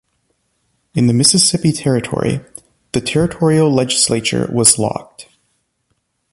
In the Mississippi Territory, the territorial legislature was locked.